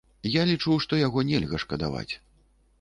Я лічу, што яго нельга шкадаваць.